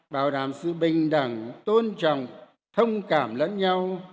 bảo đảm sự bình đẳng tôn trọng thông cảm lẫn nhau